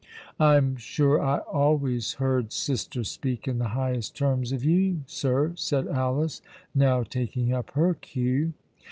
"I'm sure I always heard sister speak in the highest terms of you, sir," said Alice, now taking up her cue.